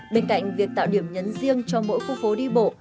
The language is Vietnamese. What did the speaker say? bên cạnh việc tạo điểm nhấn riêng cho mỗi khu phố đi bộ